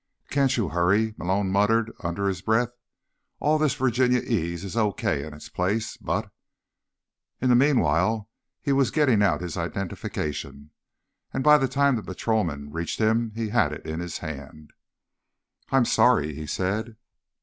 "Can't you hurry?" Malone muttered under his breath. "All this Virginian ease is okay in its place, but—" In the meanwhile he was getting out his identification, and by the time the patrolman reached him he had it in his hand. "I'm sorry," he said.